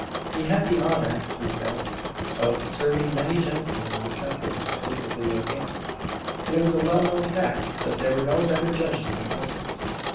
He had the honour, he said, of serving many gentlemen in the Temple exclusively with ham; and it was a well known fact, that there were no better judges in existence.